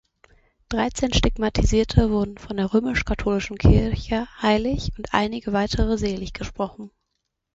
Dreizehn Stigmatisierte wurden von der römisch-katholischen Kirche heilig- und einige weitere seliggesprochen.